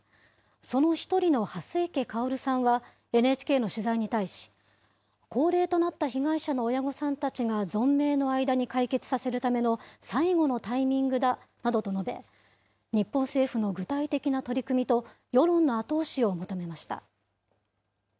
その１人の蓮池薫さんは、ＮＨＫの取材に対し、高齢となった被害者の親御さんたちが存命の間に解決させるための最後のタイミングだなどと述べ、日本政府の具体的な取り組みと、世論の後押しを求めました。